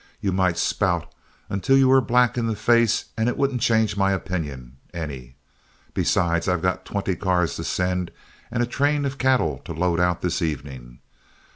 You might spout until you were black in the face and it wouldn't change my opinion any; besides I've got twenty cars to send and a train of cattle to load out this evening.